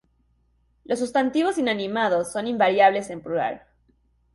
Los sustantivos inanimados son invariables en plural.